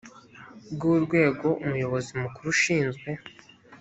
bw urwego umuyobozi mukuru ushinzwe